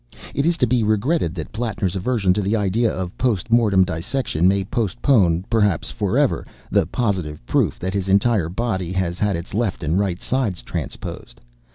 It is to be regretted that Plattner's aversion to the idea of post mortem dissection may postpone, perhaps for ever, the positive proof that his entire body has had its left and right sides transposed.